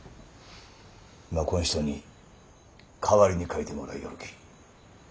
今こん人に代わりに書いてもらいよるき。